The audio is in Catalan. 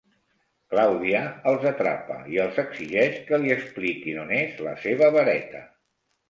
Claudia els atrapa i els exigeix que li expliquin on és la seva vareta.